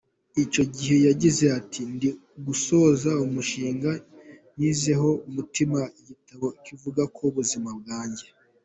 Icyo gihe yagize ati “Ndi gusoza umushinga nshyizeho umutima, igitabo kivuga ku buzima bwanjye.